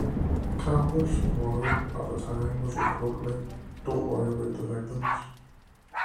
Kammler's motto at the time was reportedly, Don't worry about the victims.